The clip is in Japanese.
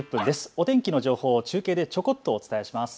お天気の情報を中継でちょこっとお伝えします。